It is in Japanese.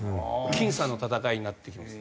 僅差の戦いになってきます。